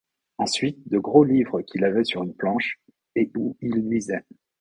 Ensuite, de gros livres qu’il avait sur une planche, et où il lisait.